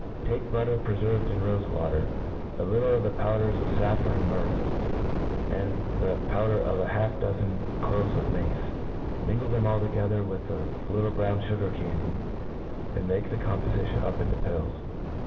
Take biittcr preferved in rofe vtratcr^ a little of thej)owder8 of faffron and myrrh, and, the powder of half a dozen cloves of mace J minglcf them all together with a little brown fugar candy^ and make the com pofition up into pills.